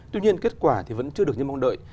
tuy nhiên kết quả thì vẫn chưa được như mong đợi